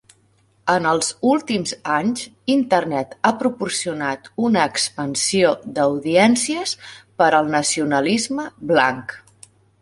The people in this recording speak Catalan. En els últims anys, Internet ha proporcionat una expansió d'audiències per al nacionalisme blanc.